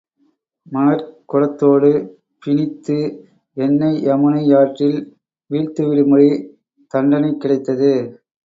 மணற் குடத்தோடு பிணித்து என்னை யமுனை யாற்றில் வீழ்த்தி விடும்படி தண்டனை கிடைத்தது.